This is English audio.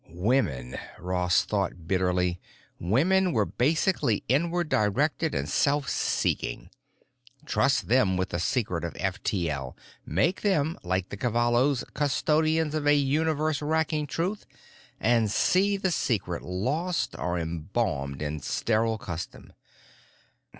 Women, Ross thought bitterly, women were basically inward directed and self seeking; trust them with the secret of F T L; make them, like the Cavallos, custodians of a universe racking truth; and see the secret lost or embalmed in sterile custom.